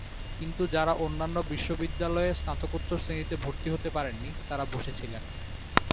কিন্তু যাঁরা অন্যান্য বিশ্ববিদ্যালয়ে স্নাতকোত্তর শ্রেণীতে ভর্তি হতে পারেননি, তাঁরা বসে ছিলেন।